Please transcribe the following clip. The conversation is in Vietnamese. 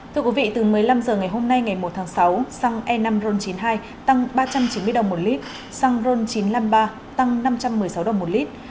thưa quý vị từ một mươi năm h ngày hôm nay ngày một tháng sáu xăng e năm ron chín mươi hai tăng ba trăm chín mươi đồng một lít xăng ron chín trăm năm mươi ba tăng năm trăm một mươi sáu đồng một lít